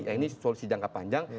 yaitu solusi jangka panjang